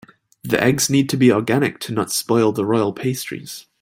The eggs need to be organic to not spoil the royal pastries.